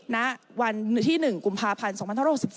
ณวันที่๑กุมภาพันธ์๒๐๖๓